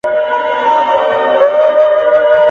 اوس به له چا سره کیسه د شوګیریو کوم ..